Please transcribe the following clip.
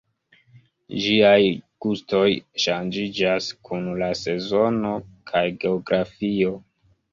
Ĝiaj gustoj ŝanĝiĝas kun la sezono kaj geografio.